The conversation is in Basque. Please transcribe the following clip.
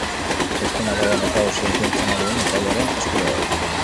Txostena dagoeneko auzia ikertzen ari den epailearen esku dago.